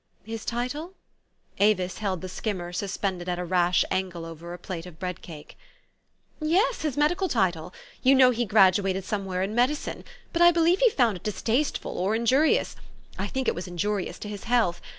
4 'His title?" Avis held the skimmer suspended at a rash angle over a plate of bread cake. " Yes, his medical title. You know he graduated somewhere in medicine ; but I believe he found it dis tasteful or injurious ; I think it was injurious to his health.